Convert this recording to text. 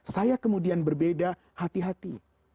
saya kemudian berbeda hati hati